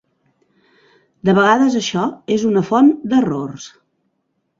De vegades això és una font d'errors.